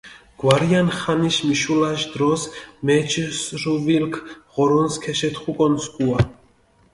გვარიანი ხანიში მიშულაში დროს, მეჩჷ სრუვილქ, ღორონს ქეშეთხუკონი სქუა.